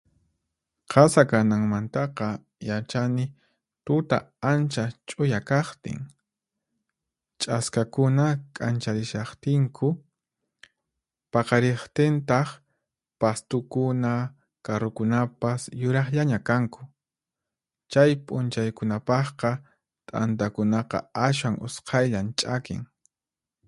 Qasa kananmantaqa yachani tuta ancha ch'uya kaqtin, ch'askakuna k'ancharishaqtinku. Paqariqtintaq, pastukuna, karrukunapas yuraqllaña kanku. Chay p'unchaykunapaqqa t'antakunaqa ashwan usqhayllan ch'akin.